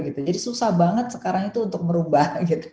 jadi susah banget sekarang itu untuk merubah